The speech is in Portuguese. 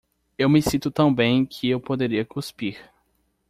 Eu me sinto tão bem que eu poderia cuspir.